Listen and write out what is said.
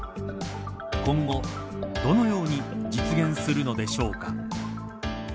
今後、どのように実現するのでしょうか。